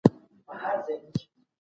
او په شهپر سي